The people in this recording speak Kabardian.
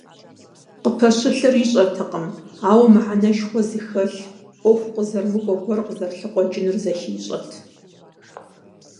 Къыпэщылъыр ищӀэртэкъым, ауэ мыхьэнэшхуэ зыхэлъ, ӏуэху къызэрымыкӏуэ гуэр къызэрылъыкъуэкӏынур зыхищӏэрт.